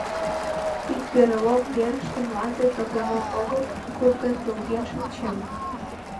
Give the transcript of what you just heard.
Ик вере лоп верыште мланде топланен огыл, куп гай талген шинчен.